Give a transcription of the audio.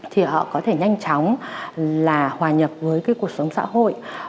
thì họ có thể nhanh chóng là hòa nhập với cái cuộc sống xã hội